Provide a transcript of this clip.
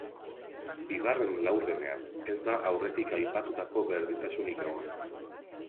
Bigarren laurdenean ez da aurretik aipatutako berdintasunik egon.